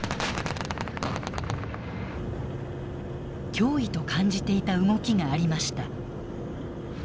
脅威と感じていた動きがありました。